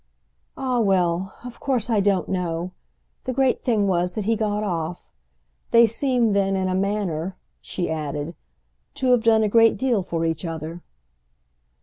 "Ah well—of course I don't know! The great thing was that he got off. They seem then, in a manner," she added, "to have done a great deal for each other."